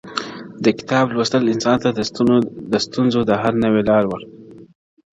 د کتاب لوستل انسان ته د ستونزو د حل نوې لارې ور -